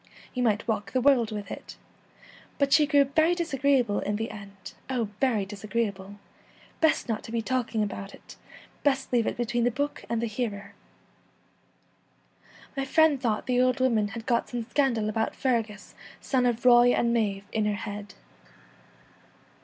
You might 1 Queen Victoria. 99 The walk the world with it,' but she grew Twilight, 'very disagreeable in the end — oh very disagreeable. Best not to be talking about it. Best leave it between the book and the hearer.' My friend thought the old woman had got some scandal about Fergus son of Roy and Maive in her head.